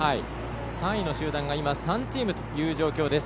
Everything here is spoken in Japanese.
３位の集団が３チームという状況です。